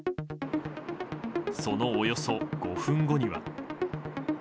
そのおよそ５分後には。